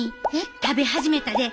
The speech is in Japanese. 食べ始めたで。